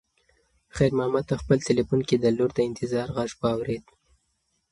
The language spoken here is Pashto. خیر محمد په خپل تلیفون کې د لور د انتظار غږ واورېد.